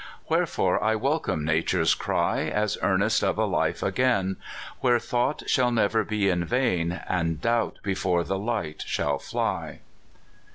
Wherefore I welcome Nature's cry, As earnest of a life again, Where thought shall never be in vain, And doubt before the light shall fly.